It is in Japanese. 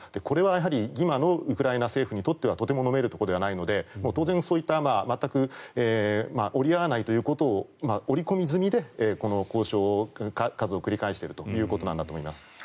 これは今のウクライナ政府にとってはとてものめるところではないので当然、そういった全く折り合わないということを織り込み済みで、この交渉を数を繰り返していると思います。